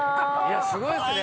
すごいですね。